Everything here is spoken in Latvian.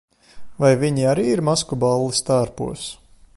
Vai viņi arī ir maskuballes tērpos?